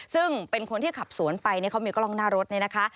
ซึ่งเป็นคนที่ขับสวนไปเขามีกล้องหน้ารถเนี่ยนะคะ